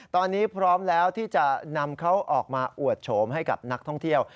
ตอนนี้พร้อมแล้วที่จะนำเขาออกมาอวดโฉมให้กับนักท่องเที่ยว